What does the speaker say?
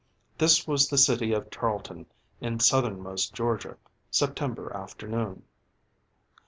This was the city of Tarleton in southernmost Georgia, September afternoon.